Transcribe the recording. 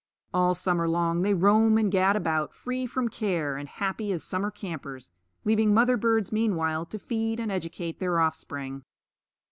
All summer long they roam and gad about, free from care, and happy as summer campers, leaving mother birds meanwhile to feed and educate their offspring.